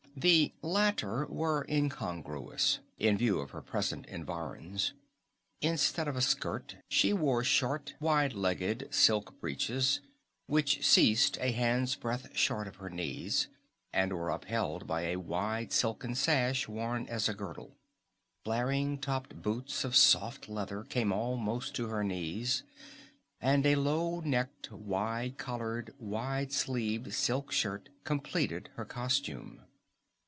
The latter were incongruous, in view of her present environs. Instead of a skirt she wore short, wide legged silk breeches, which ceased a hand's breadth short of her knees, and were upheld by a wide silken sash worn as a girdle. Flaring topped boots of soft leather came almost to her knees, and a low necked, wide collared, wide sleeved silk shirt completed her costume.